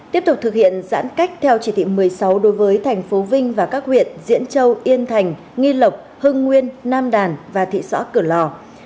tiếp tục thực hiện giãn cách theo chỉ thị một mươi sáu đối với thành phố vinh và các huyện diễn châu yên thành nghi lộc hưng nguyên nam đàn và thị xã cửa lò